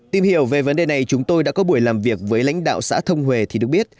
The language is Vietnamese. tìm hiểu về vấn đề này chúng tôi đã có buổi làm việc với lãnh đạo xã thông hề thì được biết